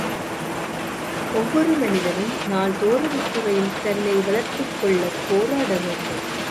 ஒவ்வொரு மனிதனும் நாள்தோறும் இத்துறையில் தன்னை வளர்த்துக்கொள்ளப் போராடவேண்டும்.